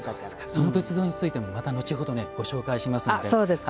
その仏像についてもまた後ほどご紹介しますのでそうですか。